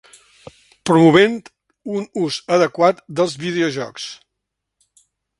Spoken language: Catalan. Promovent un ús adequat dels videojocs.